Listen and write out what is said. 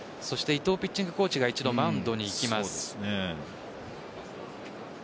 伊藤ピッチングコーチが一度マウンドに行きます。